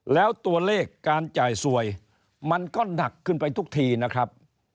แล้วตัวเลขการจ่ายสวยมันก็หนักขึ้นไปทุกทีนะครับ